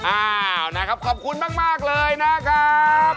อ้าวนะครับขอบคุณมากเลยนะครับ